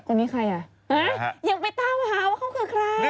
คนนี้ใครอ่ะฮะยังไปตามหาว่าเขาคือใคร